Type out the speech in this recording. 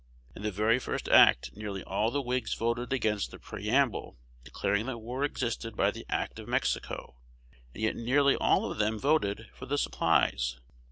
In the very first act nearly all the Whigs voted against the preamble declaring that war existed by the act of Mexico; and yet nearly all of them voted for the supplies.